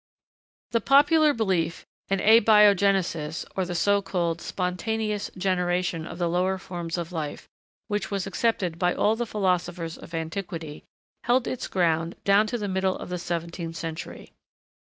] The popular belief in abiogenesis, or the so called 'spontaneous' generation of the lower forms of life, which was accepted by all the philosophers of antiquity, held its ground down to the middle of the seventeenth century.